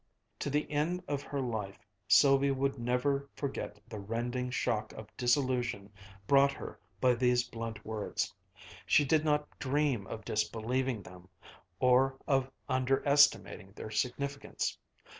To the end of her life, Sylvia would never forget the rending shock of disillusion brought her by these blunt words. She did not dream of disbelieving them, or of underestimating their significance.